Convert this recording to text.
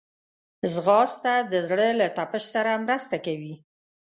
ځغاسته د زړه له تپش سره مرسته کوي